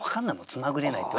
「つまぐれなゐ」って。